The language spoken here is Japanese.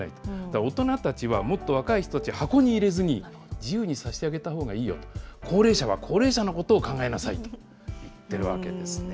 大人たちは、もっと若い人たち、箱に入れずに、自由にさせてあげたほうがいいよと、高齢者は高齢者のことを考えなさいと言ってるわけですね。